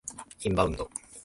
インバウンド